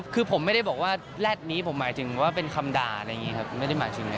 คือผมไม่ได้บอกว่าแร็ดนี้ผมหมายถึงว่าเป็นคำด่าอะไรอย่างนี้ครับไม่ได้หมายถึง